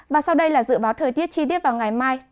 và sau đây là dự báo thời tiết chi tiết vào ngày mai